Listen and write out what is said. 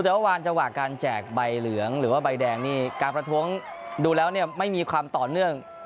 แต่ว่าวานจังหวะการแจกใบเหลืองหรือว่าใบแดงนี่การประท้วงดูแล้วเนี่ยไม่มีความต่อเนื่อง